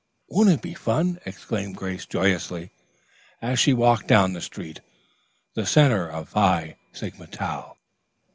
"Won't it be fun?" exclaimed Grace joyously, as she walked down the street, the center of the Phi Sigma Tau.